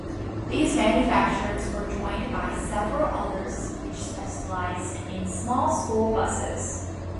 These manufacturers were joined by several others which specialized in small school buses.